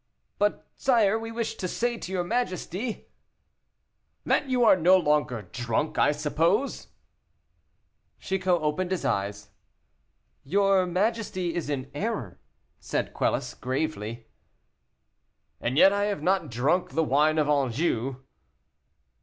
"But, sire, we wished to say to your majesty " "That you are no longer drunk, I suppose." Chicot opened his eyes. "Your majesty is in error," said Quelus, gravely. "And yet I have not drunk the wine of Anjou."